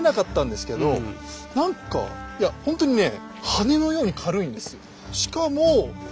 何かいやほんとにね